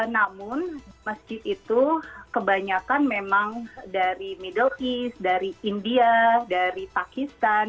namun masjid itu kebanyakan memang dari middle east dari india dari pakistan